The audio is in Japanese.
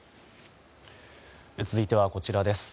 続いてはこちらです。